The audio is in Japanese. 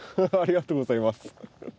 ありがとうございます。